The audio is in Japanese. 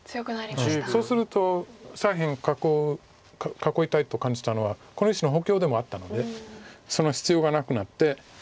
そうすると左辺囲いたいと感じたのはこの石の補強でもあったのでその必要がなくなって。